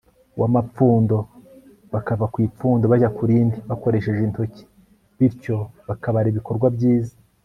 w'amapfundo, bakava ku ipfundo bajya ku rindi bakoresheje intoki, bityo bakabara ibikorwa byiza